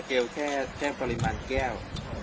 แค่ปริมาณแก้วมันไม่บอกว่ามันแพงเท่าไหร่